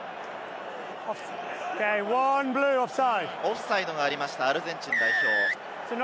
オフサイドがありました、アルゼンチン代表。